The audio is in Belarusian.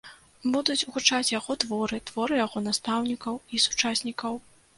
Будуць гучаць яго творы, творы яго настаўнікаў і сучаснікаў.